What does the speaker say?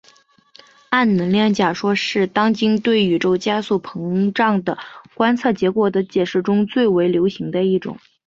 暗能量假说是当今对宇宙加速膨胀的观测结果的解释中最为流行的一种。